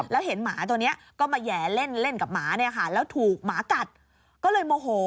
แล้วเห็นหมาตัวนี้ก็มาแห่เล่นเล่นกับหมาเนี่ยค่ะแล้วถูกหมากัดก็เลยโมโห